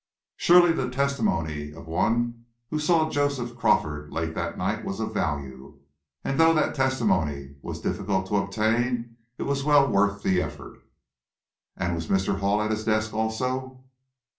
Surely the testimony of one who saw Joseph Crawford late that night was of value, and though that testimony was difficult to obtain, it was well worth the effort. "And was Mr. Hall at his desk also?"